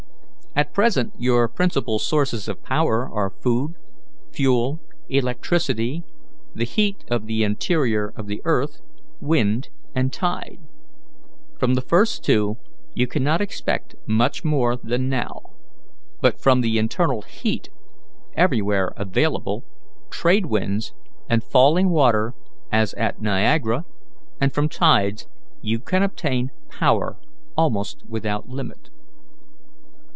At present your principal sources of power are food, fuel, electricity, the heat of the interior of the earth, wind, and tide. From the first two you cannot expect much more than now, but from the internal heat everywhere available, tradewinds, and falling water, as at Niagara, and from tides, you can obtain power almost without limit.